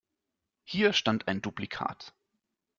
Hier stand ein Duplikat.